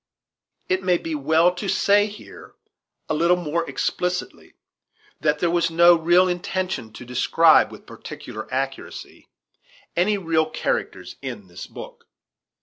It may be well to say here, a little more explicitly, that there was no real intention to describe with particular accuracy any real characters in this book.